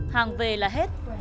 hàng về là hết